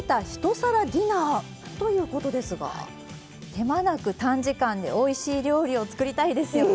手間なく短時間でおいしい料理を作りたいですよね？